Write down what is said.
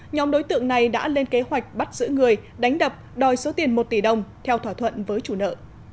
nhóm đối tượng này đã lên kế hoạch bắt giữ người đánh đập đòi số tiền một tỷ đồng theo thỏa thuận với chủ nợ